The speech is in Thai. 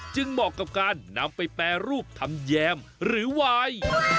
เหมาะกับการนำไปแปรรูปทำแยมหรือวาย